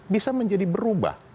bisa menjadi berubah